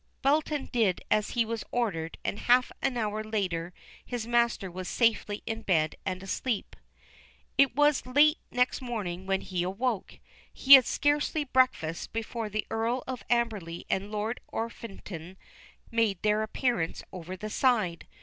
Belton did as he was ordered and half an hour later his master was safely in bed and asleep. It was late next morning when he awoke. He had scarcely breakfasted before the Earl of Amberley and Lord Orpington made their appearance over the side.